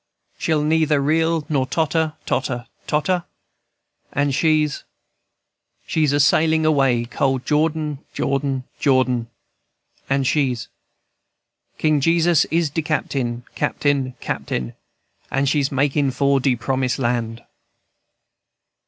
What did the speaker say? She'll neither reel nor totter, totter, totter, And she's, &c. She's a sailin' away cold Jordan, Jordan, Jordan, And she's, &c. King Jesus is de captain, captain, captain, And she's makin' for de Promise Land."